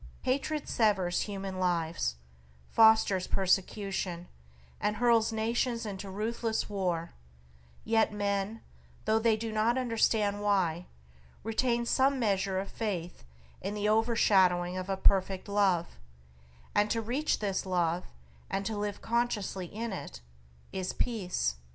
Hatred severs human lives, fosters persecution, and hurls nations into ruthless war, yet men, though they do not understand why, retain some measure of faith in the overshadowing of a Perfect Love; and to reach this Love and to live consciously in it is peace.